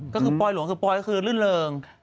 ก็คือปรอยหลวงบ่อยคือลื่นเริง